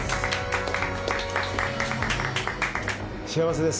幸せです。